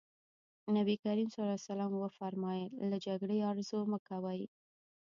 نبي کريم ص وفرمايل له جګړې ارزو مه کوئ.